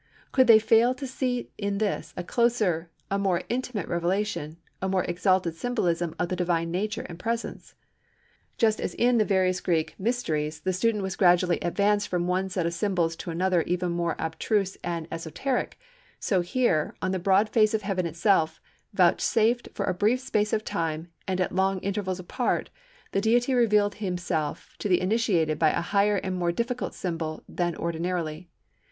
Could they fail to see in this a closer, a more intimate revelation, a more exalted symbolism of the Divine Nature and Presence? Just as in the various Greek 'mysteries' the student was gradually advanced from one set of symbols to another even more abstruse and esoteric, so here, on the broad face of heaven itself, vouchsafed for a brief space of time and at long intervals apart, the Deity revealed Himself to the initiated by a higher and more difficult symbol than ordinarily.